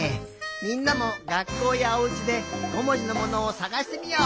みんなもがっこうやおうちで５もじのものをさがしてみよう。